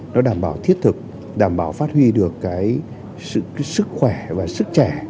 nó đảm bảo thiết thực đảm bảo phát huy được cái sức khỏe và sức trẻ